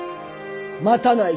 待たない。